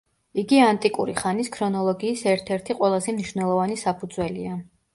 იგი ანტიკური ხანის ქრონოლოგიის ერთ-ერთი ყველაზე მნიშვნელოვანი საფუძველია.